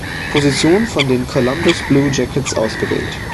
Position von den Columbus Blue Jackets ausgewählt.